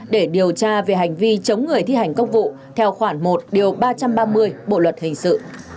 để điều tra về hành vi chống người thi hành công vụ theo khoản một điều ba trăm ba mươi bộ luật hình sự